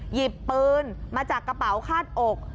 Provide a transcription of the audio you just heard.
หยิบปืนมาจากกระเป๋าคาดอก